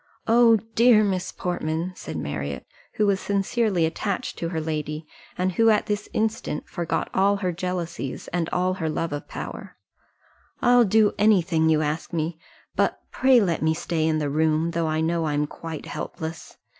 "Oh, dear Miss Portman," said Marriott, who was sincerely attached to her lady, and who at this instant forgot all her jealousies, and all her love of power, "I'll do any thing you ask me; but pray let me stay in the room, though I know I'm quite helpless.